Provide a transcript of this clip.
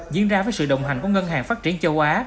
diễn ra với sự đồng hành của ngân hàng phát triển châu á